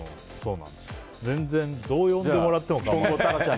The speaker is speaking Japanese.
全然どう呼んでもらっても。